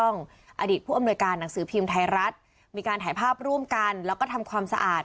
นังสือพิมพ์ไทยรัฐมีการถ่ายภาพร่วมกันแล้วก็ทำความสะอาด